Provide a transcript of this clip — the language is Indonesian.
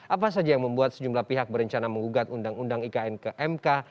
apa saja yang membuat sejumlah pihak berencana mengugat undang undang ikn ke mk